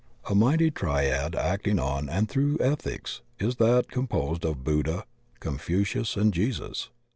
A mighty Triad acting on and through ethics is that composed of Buddha, Confucius, and Jesus.